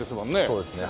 そうですね